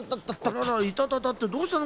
あらら「いたたた」ってどうしたの？